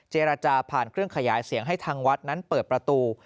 เจรจาผ่านเครื่องขยายเสียงให้ทางวัดนั้นเปิดประตู